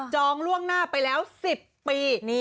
องล่วงหน้าไปแล้ว๑๐ปี